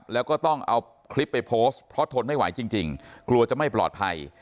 แล้วก็ต้องเอาคลิปไปโพสต์เพราะทนไม่ไหวจริงกลัวจะไม่ปลอดภัย